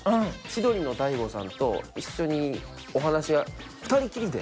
千鳥の大悟さんと一緒にお話。